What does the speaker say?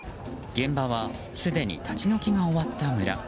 現場はすでに立ち退きが終わった村。